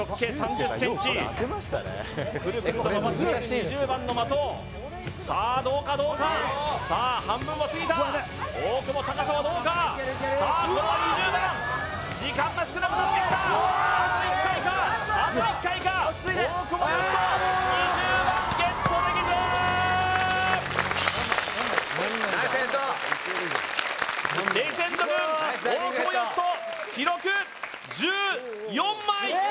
２０番の的さあどうかどうかさあ半分を過ぎた大久保高さはどうかさあこれは２０番時間が少なくなってきたあと１回かあと１回か大久保嘉人２０番ゲットできず・ナイスヘッドレジェンド軍大久保嘉人記録